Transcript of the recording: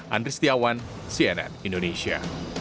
andri setiawan cnn indonesia